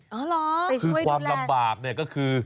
อ๋อเหรอไปช่วยดูแลนด์คือความลำบากก็คือ